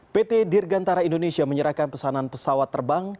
pt dirgantara indonesia menyerahkan pesanan pesawat terbang